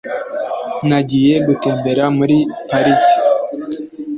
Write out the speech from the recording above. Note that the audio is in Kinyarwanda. nagiye gutembera muri parike